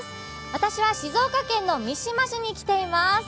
私は静岡県の三島市に来ています。